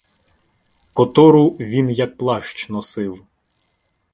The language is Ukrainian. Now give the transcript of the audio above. Котору він як плащ носив.